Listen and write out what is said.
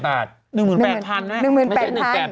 ๑๘๐๐๐บาทนะแม่ไม่ใช่๑๘๐๐๐บาท